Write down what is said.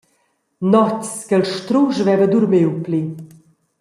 Notgs ch’el strusch veva durmiu pli.